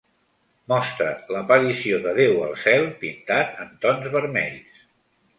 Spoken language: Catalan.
Mostra l'aparició de Déu al cel, pintat en tons vermells.